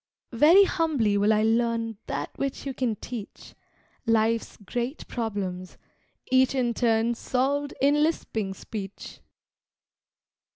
Very humbly will I learn That which you can teach, Life's great problems, each in turn Solved in lisping speech.